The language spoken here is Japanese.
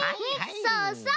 そうそう！